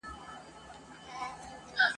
که هر څومره له انسانه سره لوی سي !.